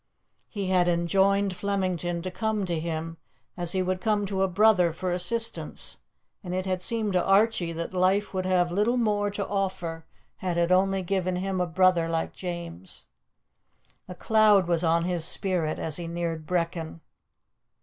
He had enjoined Flemington to come to him as he would come to a brother for assistance, and it had seemed to Archie that life would have little more to offer had it only given him a brother like James. A cloud was on his spirit as he neared Brechin.